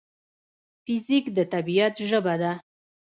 فزیک د طبیعت ژبه ده.